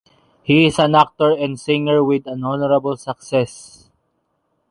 He is an actor and singer with an honorable success.